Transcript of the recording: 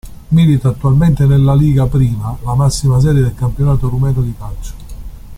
Milita attualmente nella Liga I, la massima serie del campionato rumeno di calcio.